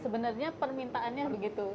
sebenarnya permintaannya begitu